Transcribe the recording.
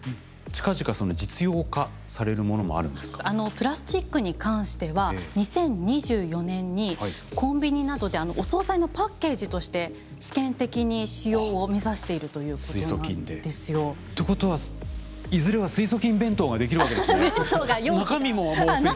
プラスチックに関しては２０２４年にコンビニなどでお総菜のパッケージとして試験的に使用を目指しているということなんですよ。ということはいずれは水素菌弁当が出来るわけですね。